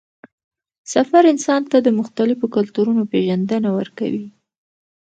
سفر انسان ته د مختلفو کلتورونو پېژندنه ورکوي